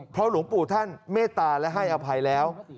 เพราะหลวงปู่ท่านเมตตาและให้อภัยแล้ว